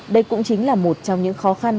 đây cũng chính là một trong những khó khăn